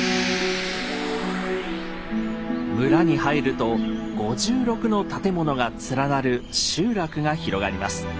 村に入ると５６の建物が連なる集落が広がります。